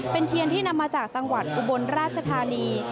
เป็นเทียนที่นำมาจากจังหวัดอุบลราชธานี